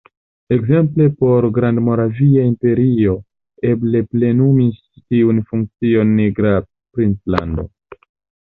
Ekzemple por Grandmoravia imperio eble plenumis tiun funkcion Nitra princlando.